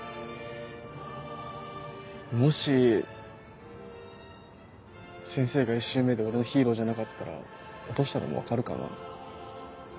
もし先生が１周目で俺のヒーローじゃなかったら落としたのも分かるかな。